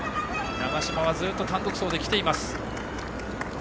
長嶋はずっと単独走できています。